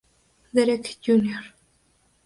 Derek Jr.